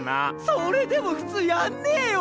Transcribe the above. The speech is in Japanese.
それでも普通やんねぇよ。